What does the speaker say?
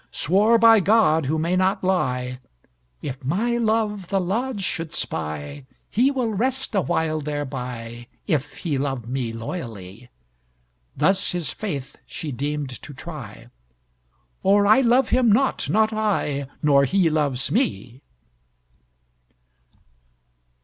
Swore by God, who may not lie: "If my love the lodge should spy, He will rest a while thereby If he love me loyally." Thus his faith she deemed to try, "Or I love him not, not I, Nor he loves me!"